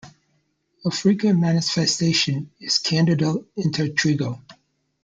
A frequent manifestation is candidal intertrigo.